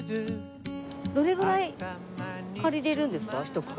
どれぐらい借りれるんですか？